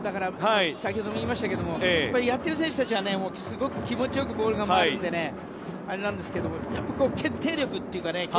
先ほども言いましたけどやっている選手たちはすごく気持ち良くボールが回るのであれなんですけれどもやっぱり決定力というかね